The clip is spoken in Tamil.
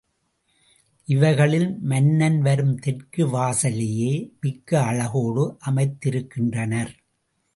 இவைகளில் மன்னன் வரும் தெற்கு வாசலையே மிக்க அழகோடு அமைத்திருக்கின்றனர்.